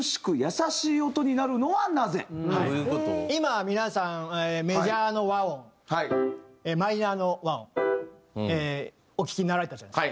今皆さんメジャーの和音マイナーの和音お聴きになられたじゃないですか。